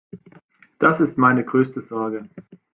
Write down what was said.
Das ist meine größte Sorge.